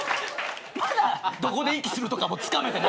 まだどこで息するとかもつかめてない。